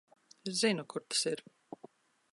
Es zinu, kur tas ir.